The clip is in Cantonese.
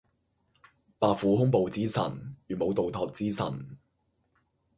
白虎兇暴之神，玄武盜拓之神